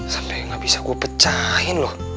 sampai gak bisa gue pecahin loh